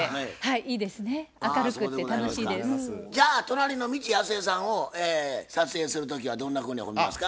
じゃあ隣の未知やすえさんを撮影する時はどんなふうに褒めますか。